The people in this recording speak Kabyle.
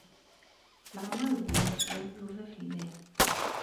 Leɛmeṛ i d-yemmeslay Yuba fell-ak.